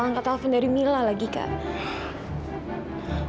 angkat telpon dari mila lagi kak